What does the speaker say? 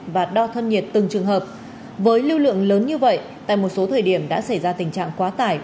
và đo thân nhiệt từng trường hợp với lưu lượng lớn như vậy tại một số thời điểm đã xảy ra tình trạng quá tải